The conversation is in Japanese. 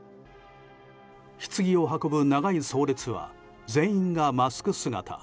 ひつぎを運ぶ長い葬列は全員がマスク姿。